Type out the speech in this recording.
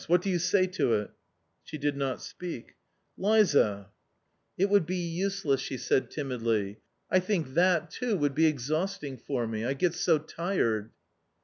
. what do you say to it ?"" She did not speak. " Liza !" 272 A COMMON STORY " It would be useless," she said timidly, " I think that, too, would be exhausting for me .... I get so tired."